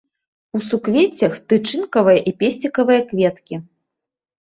У суквеццях тычынкавыя і песцікавыя кветкі.